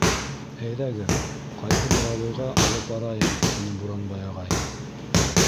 Әйҙәгеҙ, ҡайһы буровойға алып барайым? -тине Буранбай ағай.